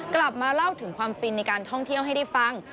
กลับมาเล่าถึงความฟินในการท่องเที่ยวให้ได้ฟัง